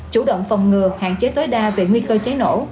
chủ động phòng ngừa hạn chế tối đa về nguy cơ cháy nổ